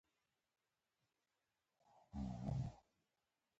ټپي ته باید د زړونو خواخوږي ورکړو.